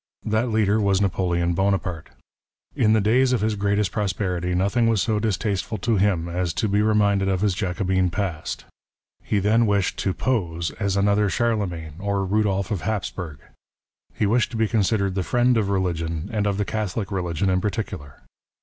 That leader was Napoleon Bonaparte. In the days of his greatest prosperity, nothing was so distasteful to him as to be reminded of his Jacobin past. He then wished to pose as another Charlemagne, or Rudolph of Hapsburg. He wished to be considered the friend of religion, and of the Catholic religion in particular.